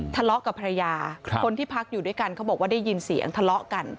ทะเลาะกับภรรยาคนที่พักอยู่ด้วยกันเขาบอกว่าได้ยินเสียงทะเลาะกัน